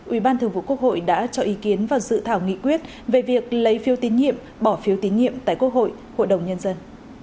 ubthq đã cho ý kiến và dự thảo nghị quyết về việc lấy phiếu tín nhiệm bỏ phiếu tín nhiệm tại quốc hội hội đồng nhân dân